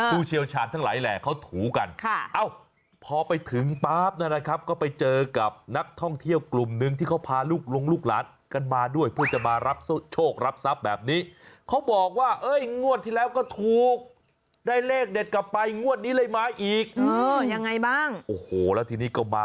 ตู้เชียวชาญทุกหน่ายแหล่งเขาถูกันเอ้าพอไปถึงแป๊บ